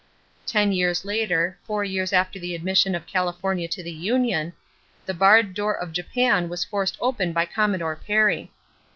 Ten years later, four years after the admission of California to the union, the barred door of Japan was forced open by Commodore Perry.